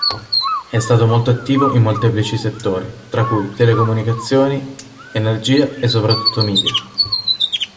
È stato molto attivo in molteplici settori, tra cui telecomunicazioni, energia e soprattutto media.